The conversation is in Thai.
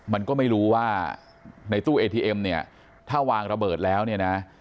มันก็ไม่รู้ว่าในตู้เอทีเอ็มเนี่ยถ้าวางระเบิดแล้วเนี่ยนะ